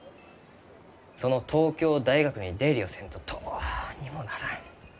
その東京大学に出入りをせんとどうにもならん。